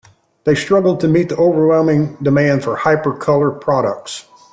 They struggled to meet the overwhelming demand for Hypercolor products.